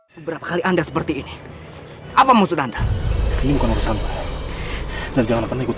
beberapa kali anda seperti ini apa musuh anda ini bukan urusan dan jangan ikut